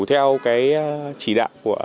theo cái chỉ đạo của